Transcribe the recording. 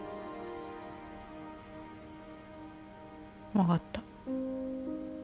分かった。